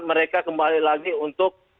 mereka kembali lagi untuk